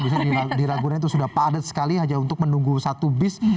biasanya di ragunan itu sudah padat sekali saja untuk menunggu satu bus